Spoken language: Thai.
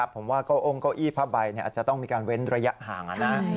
ผมว่าเก้าอ้งเก้าอี้พระบัยเนี่ยอาจจะต้องมีการเว้นระยะห่าง